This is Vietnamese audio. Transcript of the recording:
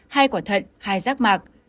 hai quả thận hai rác mạc